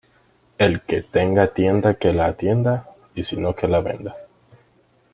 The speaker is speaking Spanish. El que tenga tienda que la atienda, y si no que la venda.